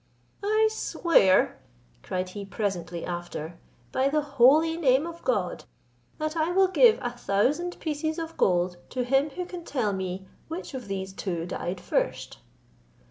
"I swear," cried he presently after, "by the holy name of God, that I will give a thousand pieces of gold to him who can tell me which of these two died first."